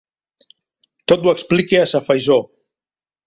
Tot ho explica a sa faisó.